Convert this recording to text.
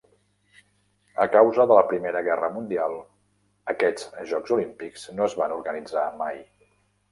A causa de la Primera Guerra Mundial, aquests jocs olímpics no es van organitzar mai.